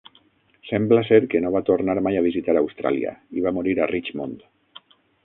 Sembla ser que no va tornar mai a visitar Austràlia, i va morir a Richmond.